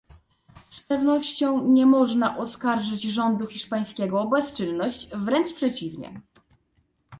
Z pewnością nie można oskarżyć rządu hiszpańskiego o bezczynność, wręcz przeciwnie